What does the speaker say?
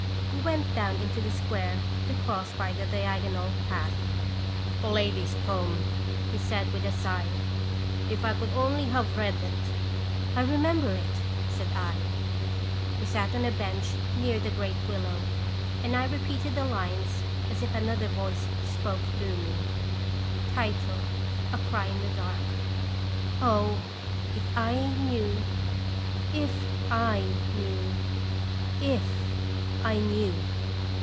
We went down into the Square to cross by the diagonal path. "The lady's poem," he said with a sigh. " If I could only have read it !"" I remember it," said I. We sat on a bench near the giant willow, and I repeated the lines as if another voice spoke through me. A CRY IN THE DARK. O, if I knew, if / knew, if I knew